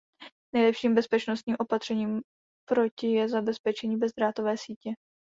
Nejlepším bezpečnostním opatřením proti je zabezpečení bezdrátové sítě.